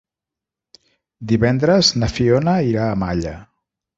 Divendres na Fiona irà a Malla.